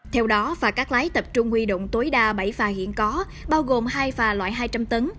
theo đó phà cắt lái tập trung huy động tối đa bảy phà hiện có bao gồm hai phà loại hai trăm linh tấn